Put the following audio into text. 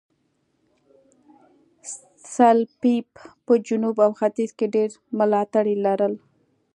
سلپيپ په جنوب او ختیځ کې ډېر ملاتړي لرل.